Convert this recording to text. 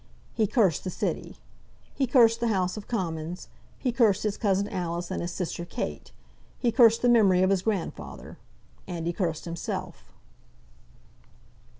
He cursed the City. He cursed the House of Commons. He cursed his cousin Alice and his sister Kate. He cursed the memory of his grandfather. And he cursed himself.